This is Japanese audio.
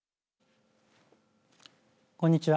こんにちは。